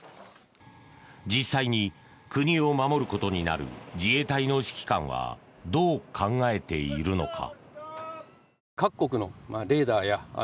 実際に国を守ることになる自衛隊の指揮官はどう考えているのか。